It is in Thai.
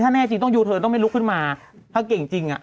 ฟังเสียงพี่เขาหน่อย